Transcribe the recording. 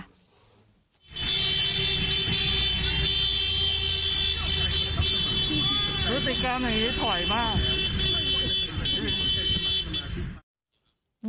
รูปิกรรมอย่างนี้ถอยมา